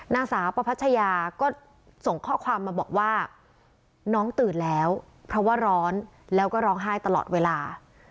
นางสาวประพัชยาก็ส่งข้อความมาบอกว่าน้องตื่นแล้วเพราะว่าร้อนแล้วก็ร้องไห้ตลอดเวลา